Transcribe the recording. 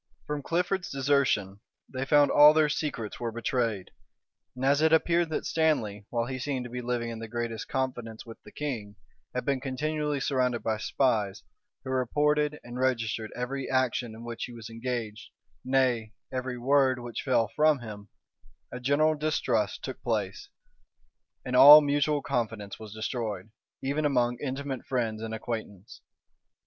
From Clifford's desertion, they found that all their secrets were betrayed; and as it appeared that Stanley, while he seemed to live in the greatest confidence with the king, had been continually surrounded by spies, who reported and registered every action in which he was engaged, nay, every word which fell from him, a general distrust took place, and all mutual confidence was destroyed, even among intimate friends and acquaintance.